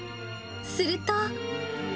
すると。